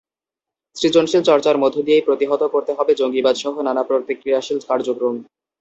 সৃজনশীল চর্চার মধ্য দিয়েই প্রতিহত করতে হবে জঙ্গিবাদসহ নানা প্রতিক্রিয়াশীল কার্যক্রম।